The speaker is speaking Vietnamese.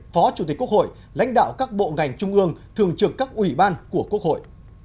phó chủ tịch quốc hội lãnh đạo các bộ ngành trung ương thường trực các ủy ban của quốc hội